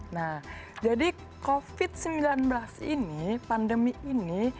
nah jadi covid sembilan belas ini pandemi ini